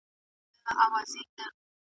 د کارګه په مخ کي وکړې ډیري غوري .